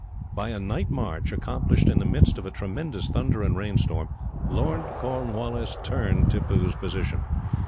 By a night march, accomplished in the midst of a tremendous thunder and rain storm, Lord Cornwallis turned Tippoo's position.